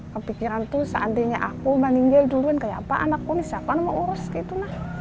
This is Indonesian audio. kepikiran tuh seandainya aku meninggal duluan kayak apa anakku ini siapa anak mau urus gitu